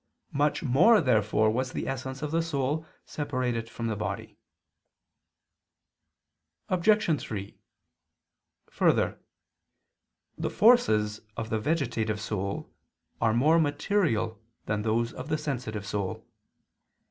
Much more therefore was the essence of the soul separated from the body. Obj. 3: Further, the forces of the vegetative soul are more material than those of the sensitive soul.